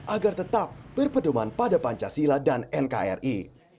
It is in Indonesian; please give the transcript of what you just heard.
agar tetap berpedoman pada pancasila dan nkri